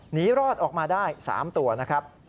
หนีรอดออกมาได้๓ตัวนะครับ